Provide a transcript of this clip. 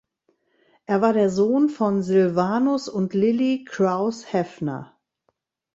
Er war der Sohn von Sylvanus und Lillie (Crouse) Heffner.